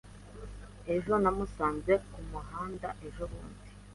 Ejo namusanze kumuhanda ejobundi.